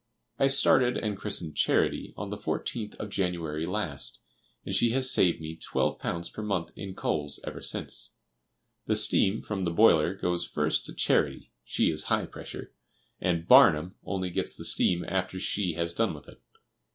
I started and christened "Charity" on the 14th of January last, and she has saved me £12 per month in coals ever since. The steam from the boiler goes first to "Charity" (she is high pressure), and "Barnum" only gets the steam after she has done with it.